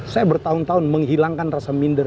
saya bertahun tahun menghilangkan rasa minder